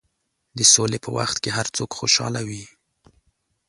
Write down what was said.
د سولې په وخت کې هر څوک خوشحاله وي.